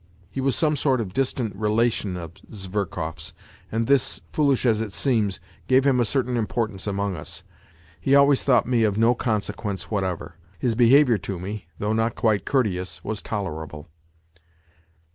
He was some sort of distant relation of Zverkov^s, and this, foolish as it seems, gave him a certain importance among us. He always thought me of no consequence whatever; his behaviour to me, though not quite courteous, was tolerable.